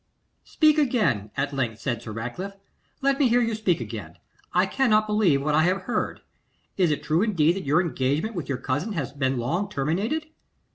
'Speak again,' at length said Sir Ratcliffe. 'Let me hear you speak again. I cannot believe what I have heard. Is it indeed true that your engagement with your cousin has been long terminated?